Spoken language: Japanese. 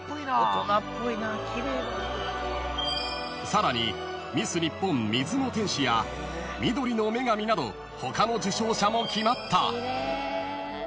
［さらにミス日本「水の天使」やみどりの女神など他の受賞者も決まった］